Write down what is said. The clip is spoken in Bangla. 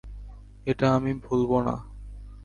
এটা আমি ভুলব না।